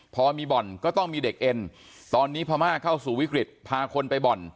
พอมีบ่อนก็ต้องมีเด็กเอ็นตอนนี้พม่าเข้าสู่วิกฤตพาคนไปบ่อน